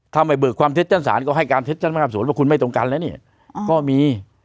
ทำให้เบิกความเทศจรรย์ศาลก็ให้การเทศจรรย์ศาลภาพสวนว่าคุณไม่ตรงกันแล้วนี่ก็มี